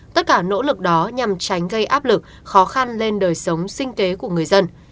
tất cả nỗ lực đó nhằm tránh gây áp lực khó khăn lên đời sống sinh kế của người dân